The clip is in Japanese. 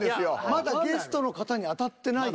まだゲストの方に当たってない。